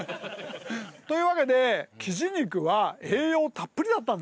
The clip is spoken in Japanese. というわけでキジ肉は栄養たっぷりだったんですね。